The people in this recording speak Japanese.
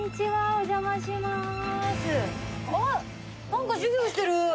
何か授業してる。